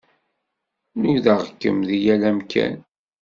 Nudaɣ-kem deg yal amkan.